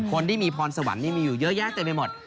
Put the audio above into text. คนที่มีพรสวรรค์นี่มีอยู่เยอะแยะเต็มไปหมด